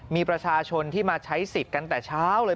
มีประชาชนที่มาใช้สิทธิ์กันแต่เช้าเลย